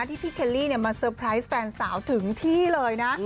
ที่พี่เคลลี่มาเซอร์ไพรส์แฟนสาวถึงที่เลยนะ